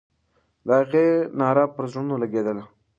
د هغې ناره پر زړونو لګېدله.